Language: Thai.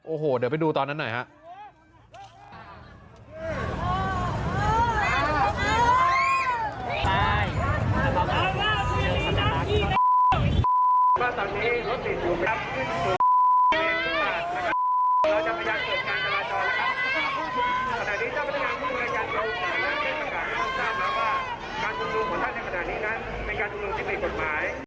โอ้โหเดี๋ยวไปดูตอนนั้นหน่อยครับ